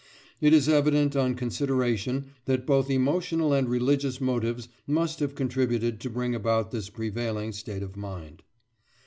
It is evident on consideration that both emotional and religious motives must have contributed to bring about this prevailing state of mind."